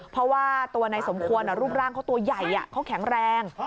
เพราะว่าตัวนายสมควรรูปร่างเขาตัวใหญ่เขาแข็งแรง